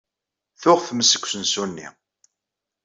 Tuɣ tmest deg usensu-nni.